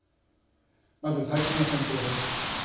まず、最新の戦況です。